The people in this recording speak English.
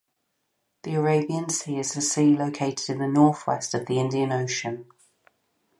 The Arabian Sea is a sea located in the northwest of the Indian Ocean.